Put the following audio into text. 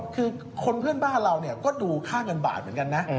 คือคนเพื่อนบ้านเราเนี่ยก็ดูค่าเงินบาทเหมือนกันนะ